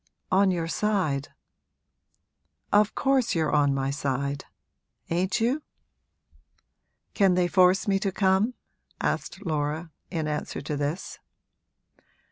'On your side.' 'Of course you're on my side, ain't you?' 'Can they force me to come?' asked Laura, in answer to this.